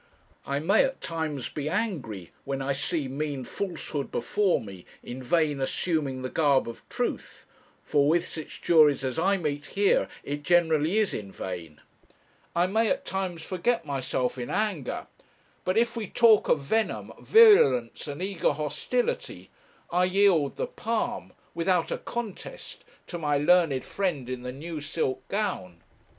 I may at times be angry, when I see mean falsehood before me in vain assuming the garb of truth for with such juries as I meet here it generally is in vain I may at times forget myself in anger; but, if we talk of venom, virulence, and eager hostility, I yield the palm, without a contest, to my learned friend in the new silk gown.'